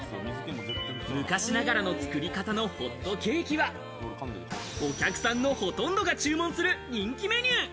昔ながらの作り方のホットケーキはお客さんのほとんどが注文する人気メニュー。